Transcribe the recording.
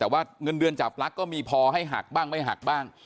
แต่ว่าเงินเดือนจับลักษณ์ก็มีพอให้หักบ้างไม่หักบ้าง